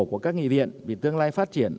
của các nghị viện vì tương lai phát triển